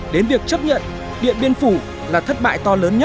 đến việc chấp nhận điện biên phủ là thất bại to lớn nhất